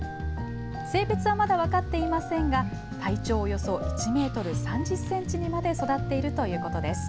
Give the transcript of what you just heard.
性別はまだ分かっていませんが体長およそ１メートル３０センチにまで育っているということです。